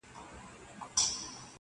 هغه وخت چي دی د مرګ په رنځ رنځور سو -